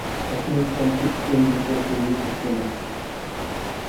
تاسما يېگەن ئىت ئۆلگۈچە خۇيىنى تاشلىماس.